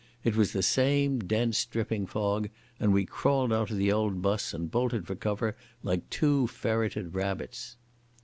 It was the same dense, dripping fog, and we crawled out of the old bus and bolted for cover like two ferreted rabbits.